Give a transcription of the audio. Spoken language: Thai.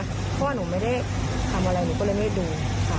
เพราะว่าหนูไม่ได้ทำอะไรหนูก็เลยไม่ดูค่ะ